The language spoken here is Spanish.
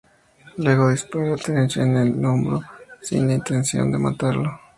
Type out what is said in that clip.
Luego dispara a Trench en el hombro, sin la intención de matarlo.